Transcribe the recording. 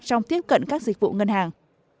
trong tiếp cận các dịch vụ ngân hàng